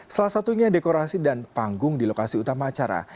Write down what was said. salah satunya dekorasi dan panggung di lokasi utama acara